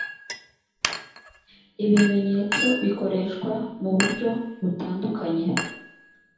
ibimenyetso bikoreshwa muryo butandukanye.